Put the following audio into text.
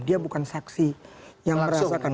dia bukan saksi yang merasakan